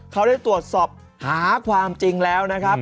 เขาได้ตรวจสอบหาความจริงแล้วนะครับ